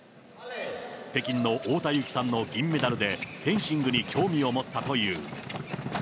北京の太田雄貴さんの銀メダルで、フェンシングに興味を持ったという。